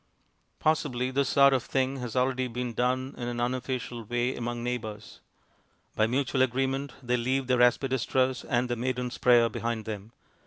Possibly this sort of thing has already been done in an unofficial way among neighbors. By mutual agreement they leave their aspidistras and their "Maiden's Prayer" behind them.